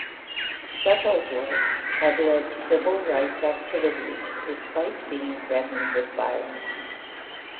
Shuttlesworth had led civil rights activities despite being threatened with violence.